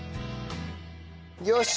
よし！